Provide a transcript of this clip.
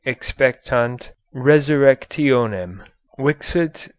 Expectant . Resurrectionem Vixit